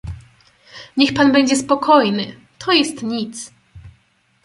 "„Niech pan będzie spokojny, to jest nic."